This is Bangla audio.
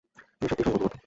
তুমি সত্যিই সংকল্পবদ্ধ।